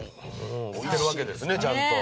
置いてるわけですねちゃんと。